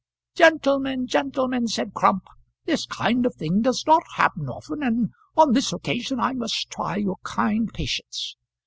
"Gentlemen, gentlemen!" said Crump. "This kind of thing does not happen often, and on this occasion I must try your kind patience.